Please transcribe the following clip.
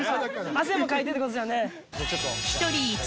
汗もかいてってことですよね。